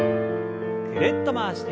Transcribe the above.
ぐるっと回して。